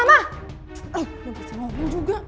lupa sama aku juga